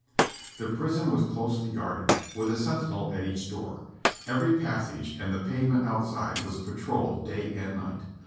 The prison was closely guarded, with a sentinel at each door. Every passage and the pavement outside was patrolled day and night.